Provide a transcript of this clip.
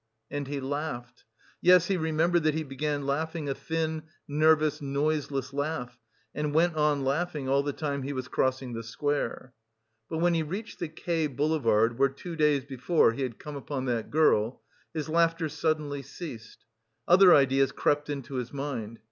And he laughed. Yes, he remembered that he began laughing a thin, nervous noiseless laugh, and went on laughing all the time he was crossing the square. But when he reached the K Boulevard where two days before he had come upon that girl, his laughter suddenly ceased. Other ideas crept into his mind.